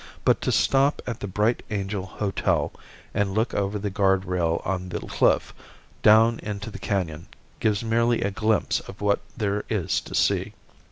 But to stop at the Bright Angel Hotel and look over the guard rail on the cliff down into the canon gives merely a glimpse of what there is to see.